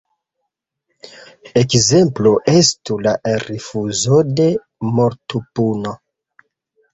Ekzemplo estu la rifuzo de mortopuno.